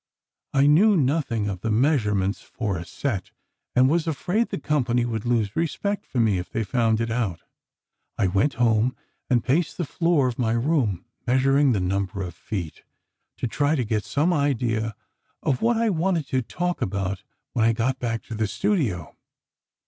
I knew nothing of the measurements for a set, and was afraid the company would lose respect for me if they found it out. I went home and paced the floor of my room, measuring the number of feet, to try to get some idea of what I wanted to talk about when I got back to the studio.